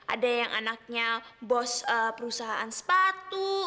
ada yang anaknya bos perusahaan sepatu